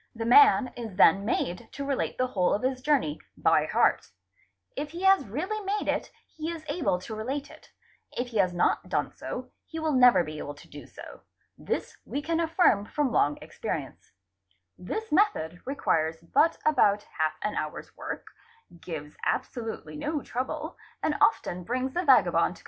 The man is then made to relate the whole of his journey, by heart. If he has really made it, he is able (0 relate it; if he has not done so, he is never able to do so; this we can 26D AUREL ASE ACSI i SINEMA LIT EAA LAS) AI 5A AL LAE EN AE ) affirm from long experience. 'This method requires but about half an hour's work, gives absolutely no trouble, and often brings the vagabond to 784.